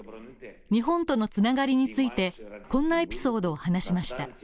日本とのつながりについてこんなエピソードを話しました。